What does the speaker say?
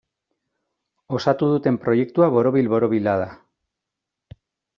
Osatu duten proiektua borobil-borobila da.